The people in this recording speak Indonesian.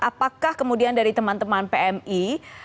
apakah kemudian dari teman teman pmi